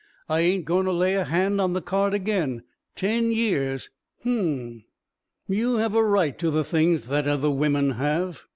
"I ain't going to lay a hand on the cart again. Ten years...." "Uhm. You have a right to the things that other women have.